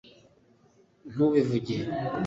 ntubivuge